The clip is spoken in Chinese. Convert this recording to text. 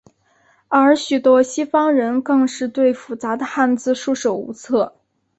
而许多西方人更是对复杂的汉字束手无策。